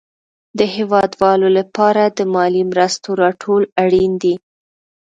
د هېوادوالو لپاره د مالي مرستو راټول اړين دي.